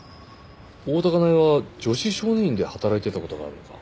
大多香苗は女子少年院で働いていた事があるのか？